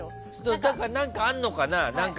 何かあるのかな